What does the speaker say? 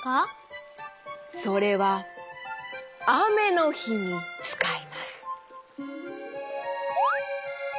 それはあめのひにつかいます。